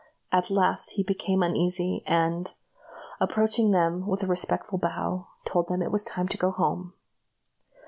At last he became uneasy, and, approaching them with a respectful bow, told them it was time to go home.